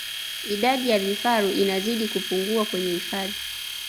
Idadi ya vifaru inazidi kupungua kwenye hifadhi